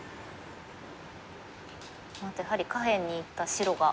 やはり下辺にいった白が。